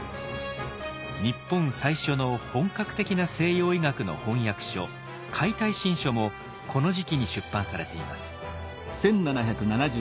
日本最初の本格的な西洋医学の翻訳書「解体新書」もこの時期に出版されています。